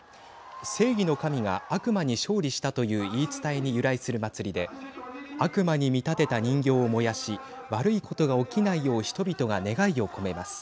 正義の神が悪魔に勝利したという言い伝えに由来する祭りで悪魔に見立てた人形を燃やし悪いことが起きないよう人々が願いを込めます。